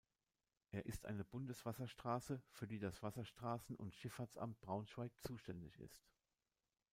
Er ist eine Bundeswasserstraße, für die das Wasserstraßen- und Schifffahrtsamt Braunschweig zuständig ist.